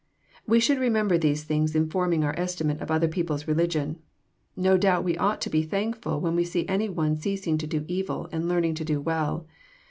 We should remember these things in forming our estimate of other people's religion. No doubt we ought to be thank ful when we see any one ceasing to do evil and learning to do well.